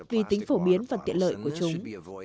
vì tính phổ biến và tiện lợi của chúng